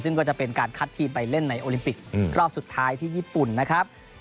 ซึ่งก็จะเป็นการคัดทีมไปเล่นในโอลิมปิกรอบสุดท้ายที่ญี่ปุ่นนะครับ